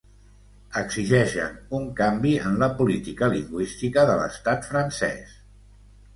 Exigeixen un canvi en la política lingüística de l’estat francès.